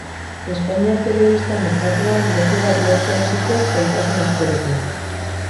Espainiar telebista merkatuan leku bat lortzen hasi zen zailtasun askorekin.